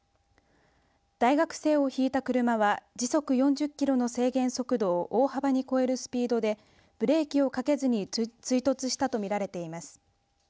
大学生をひいた車は時速４０キロの制限速度を大幅に超えるスピードでブレーキをかけずに追突したと見られています。